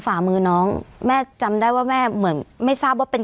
ฝ่ามือน้องแม่จำได้ว่าแม่เหมือนไม่ทราบว่าเป็น